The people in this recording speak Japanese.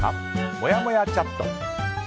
もやもやチャット。